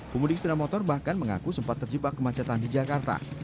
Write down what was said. pemudik sepeda motor bahkan mengaku sempat terjebak kemacetan di jakarta